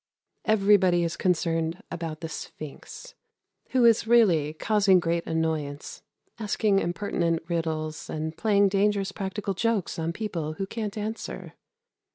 Everybody is concerned about the Sphinx, who is really causing great annoyance, asking impertinent riddles, and playing dangerous practical jokes on people who can't answer.